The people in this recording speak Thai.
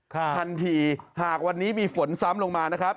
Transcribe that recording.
ทันทีหากวันนี้มีฝนซ้ำลงมานะครับ